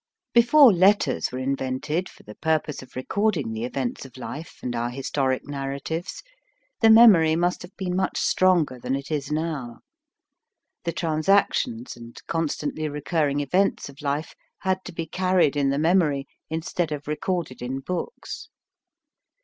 Before letters were invented for the purpose of recording the events of life and our historic narratives, the memory must have been much stronger than it is now. The transactions and constantly recurring events of life had to be'^carried in the memory in stead of recorded in books.